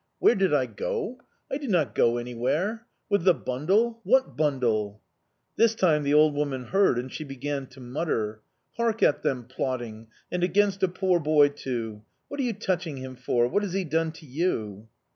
"Where did I go? I did not go anywhere... With the bundle?... What bundle?" This time the old woman heard, and she began to mutter: "Hark at them plotting, and against a poor boy too! What are you touching him for? What has he done to you?"